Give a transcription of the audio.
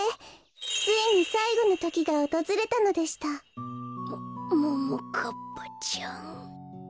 ついにさいごのときがおとずれたのでしたもももかっぱちゃん。